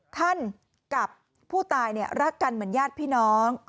ท่านกับผู้ตายเนี่ยรักกันเหมือนญาติพี่น้อง